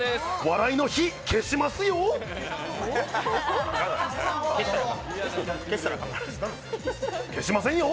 笑いの火、消しますよ！